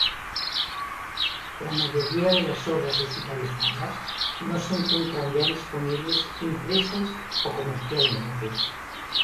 La mayoría de las obras digitalizadas no se encuentran ya disponibles impresas o comercialmente.